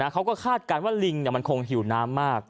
คาดการณ์ว่าลิงมันคงหิวน้ำมาก